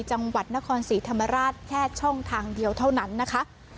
จังหวัดนครศรีธรรมราชแค่ช่องทางเดียวเท่านั้นนะคะ